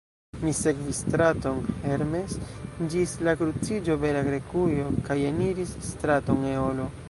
Mi sekvis straton Hermes ĝis la kruciĝo Bela Grekujo, kaj eniris straton Eolo.